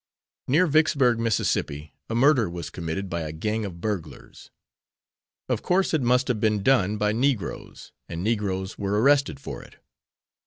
Near Vicksburg, Miss., a murder was committed by a gang of burglars. Of course it must have been done by Negroes, and Negroes were arrested for it.